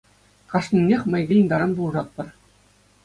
Кашнинех май килнӗ таран пулӑшатпӑр.